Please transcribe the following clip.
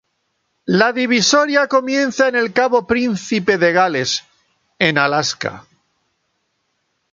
La divisoria comienza en el cabo Príncipe de Gales, en Alaska.